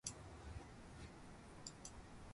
どんくらい書けばいいの